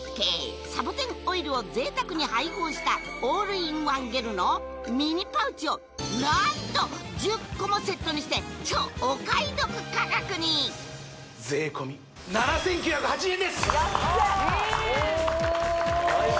サボテンオイルを贅沢に配合したオールインワンゲルのミニパウチを何と１０個もセットにして超お買い得価格に税込７９８０円です安い！